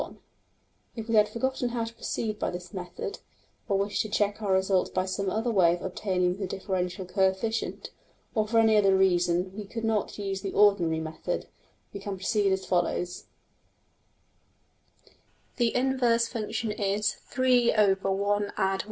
\] If we had forgotten how to proceed by this method, or wished to check our result by some other way of obtaining the differential coefficient, or for any other reason we could not use the ordinary method, we can proceed as follows: The inverse function is $x=\dfrac{1+y^2}$.